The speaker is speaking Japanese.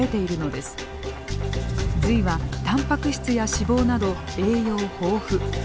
髄はたんぱく質や脂肪など栄養豊富。